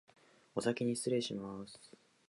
おさきにしつれいします